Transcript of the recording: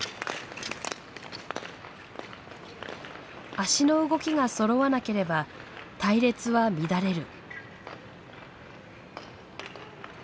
足の動きがそろわなければ隊列は乱れる。